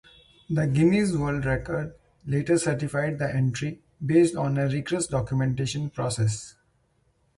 The "Guinness World Records" later certified the entry based on a rigorous documentation process.